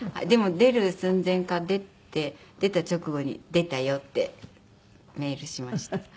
でも出る寸前か出た直後に「出たよ」ってメールしました。